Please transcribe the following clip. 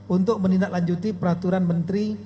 untuk menindaklanjuti peraturan menteri